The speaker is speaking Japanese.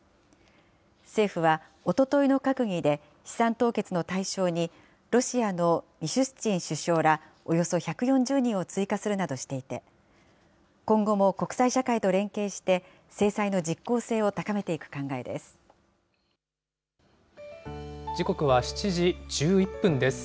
政府は、おとといの閣議で、資産凍結の対象に、ロシアのミシュスチン首相らおよそ１４０人を追加するなどしていて、今後も国際社会と連携して、制裁の実効性を高めていく考えで時刻は７時１１分です。